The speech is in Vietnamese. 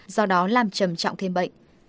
do đó làm trầm trọng thêm bệnh